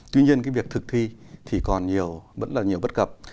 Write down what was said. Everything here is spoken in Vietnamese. tuy nhiên cái việc thực thi thì còn nhiều vẫn là nhiều bất cập